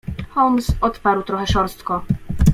"Holmes odparł trochę szorstko."